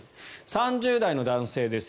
３０代の男性です。